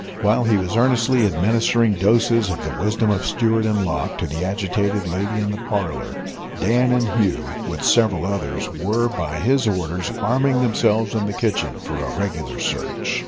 While he was earnestly administering doses of the wisdom of Stewart and Locke to the agitated lady in the parlour, Dan and Hugh, with several others, were, by his orders, arming themselves in the kitchen for a regular search.